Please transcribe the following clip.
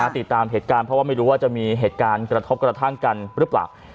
ติดตามเหตุการณ์เพราะว่าไม่รู้ว่าจะมีเหตุการณ์กระทบกระทั่งกันหรือเปล่า